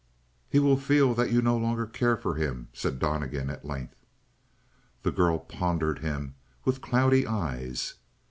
"He will feel that you no longer care for him," said Donnegan at length. The girl pondered him with cloudy eyes.